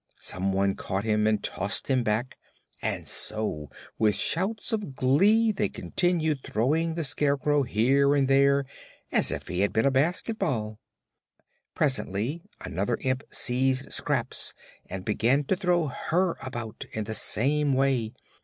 Some one caught him and tossed him back, and so with shouts of glee they continued throwing the Scarecrow here and there, as if he had been a basket ball. Presently another imp seized Scraps and began to throw her about, in the same way.